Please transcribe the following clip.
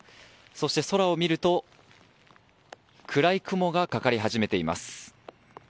そして空を見ると暗い雲がかかり始めています。